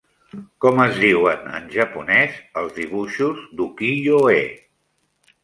Com es diuen en japonès els dibuixos d'ukiyo-e?